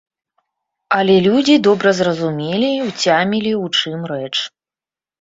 Але людзі добра зразумелі, уцямілі, у чым рэч.